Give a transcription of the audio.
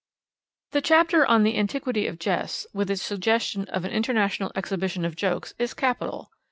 "' The chapter On the Antiquity of Jests, with its suggestion of an International Exhibition of Jokes, is capital.